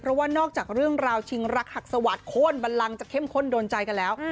เพราะว่านอกจากเรื่องราวชิงรักหักสวัสดิโค้นบันลังจะเข้มข้นโดนใจกันแล้ว